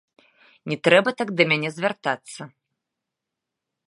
Не трэба так да мяне звяртацца.